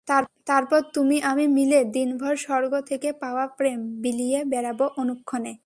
তারপর তুমি আমি মিলে দিনভর স্বর্গ থেকে পাওয়া প্রেম বিলিয়ে বেড়াব অনুক্ষণে।